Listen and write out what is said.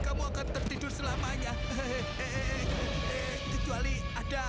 bapak apa apaan sih